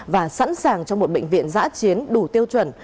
và sẵn sàng cho một bệnh viện giã chiến đủ tiêu chuẩn